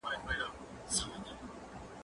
ايا ته شګه پاکوې